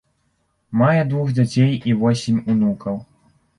Мае двух дзяцей і восем унукаў.